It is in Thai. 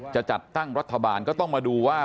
จะจัดตั้งรัฐบาลก็ต้องมาดูว่า